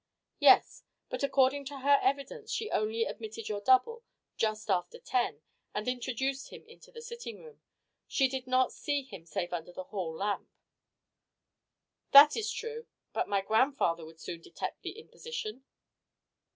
"Yes. But according to her evidence she only admitted your double just after ten and introduced him into the sitting room. She did not see him save under the hall lamp." "That is true. But my grandfather would soon detect the imposition."